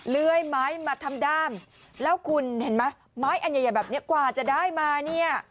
เลื่อยไม้มาทำด้ามแล้วคุณเห็นไหมไม้อันใหญ่แบบนี้กว่าจะได้มาเนี่ย